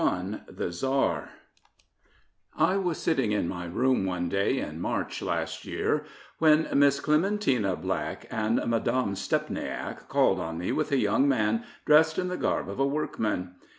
257 THE TSAR I WAS sitting in my room one day in March last year when Miss Clementina Black and Madame Stepniak called on me with a young man dressed in the garb of a workman.